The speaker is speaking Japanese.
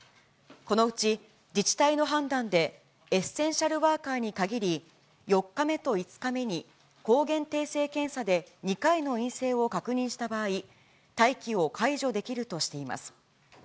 このうち、自治体の判断でエッセンシャルワーカーに限り、４日目と５日目に抗原定性検査で２回の陰性を確認した場合、待機を解除できるとしています。